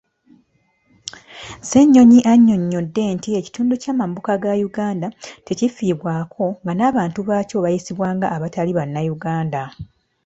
Ssennyonyi annyonnyodde nti ekitundu kyamambuka ga Uganda tekifiibwako ng'abantu baakyo bayisibwa ng'abatali bannayuganda.